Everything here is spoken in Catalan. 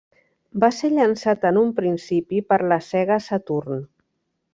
Va ser llançat en un principi per la Sega Saturn.